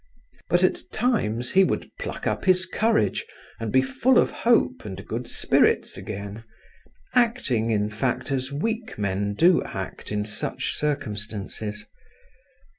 But at times he would pluck up his courage and be full of hope and good spirits again, acting, in fact, as weak men do act in such circumstances.